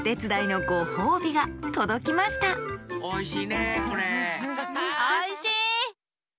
おいしい！